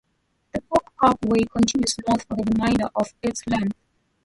The Polk Parkway continues north for the remainder of its length.